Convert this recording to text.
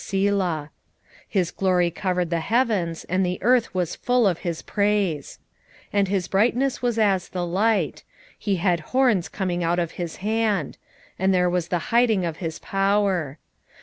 Selah. His glory covered the heavens, and the earth was full of his praise. 3:4 And his brightness was as the light; he had horns coming out of his hand: and there was the hiding of his power.